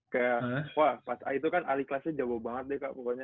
kayak wah pas itu kan aliklasnya jago banget deh kak pokoknya